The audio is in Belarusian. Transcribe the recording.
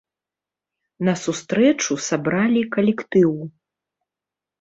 На сустрэчу сабралі калектыў.